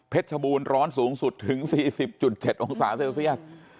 ชบูรณร้อนสูงสุดถึง๔๐๗องศาเซลเซียส